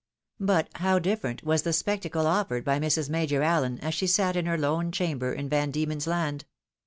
But how difierent was the spectacle offered by Mrs. Major Allen, as she sat in her lone chamber in Van Diemen's Land